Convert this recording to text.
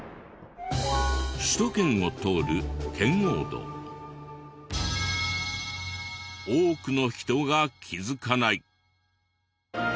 首都圏を通る多くの人が気づかない。